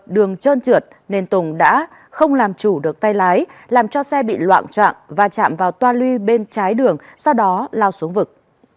đường trơn trượt nên tùng đã không làm chủ được tay lái làm cho xe bị loạn trạng và chạm vào toa luy bên trái đường sau đó lao xuống vực